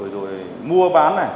rồi mua bán này